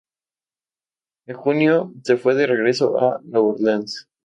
En junio se fue de regreso a Nueva Orleans.